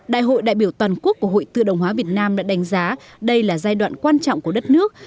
đại hội đại biểu toàn quốc của hội tự động hóa việt nam đã đánh giá đây là giai đoạn quan trọng của đất nước